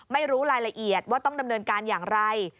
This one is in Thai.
ไม่รู้รายละเอียดว่าต้องดำเนินการอย่างไร